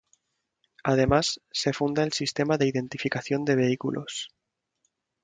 Además, se funda el sistema de identificación de vehículos.